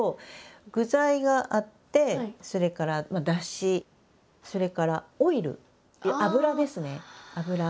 具材があってそれからだしそれからオイル油ですね油。